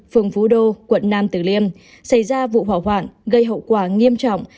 phường phú đô quận nam tử liêm xảy ra vụ hỏa hoạn gây hậu quả nghiêm trọng